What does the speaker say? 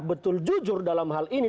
betul jujur dalam hal ini